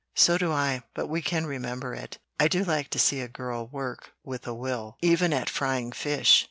"So do I, but we can remember it. I do like to see a girl work with a will, even at frying fish.